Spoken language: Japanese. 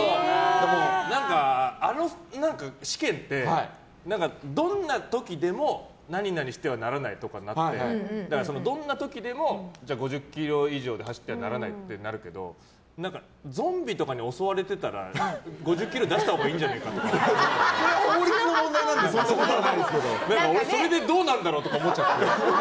何かあの試験ってどんな時でも何々してはならないとかってなってどんな時でも５０キロ以上で走ってはならないってなるけどゾンビとかに襲われてたら５０キロ出したほうが法律の問題なのででも、それでどうなるんだろうとか思っちゃって。